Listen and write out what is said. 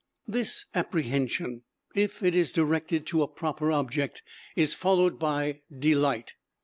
This apprehension, if it is directed to a proper object, is followed by delight.